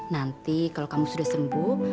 nanti kalau kamu sudah sembuh